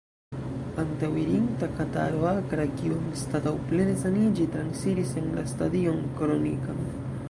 Antaŭirinta kataro akra, kiu, anstataŭ plene saniĝi, transiris en la stadion kronikan.